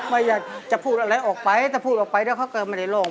ไม่อยากจะพูดอะไรออกไปถ้าพูดออกไปแล้วเขาก็ไม่ได้โล่ง